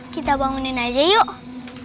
kita bangunin aja yuk